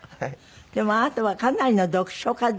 でもあなたはかなりの読書家で。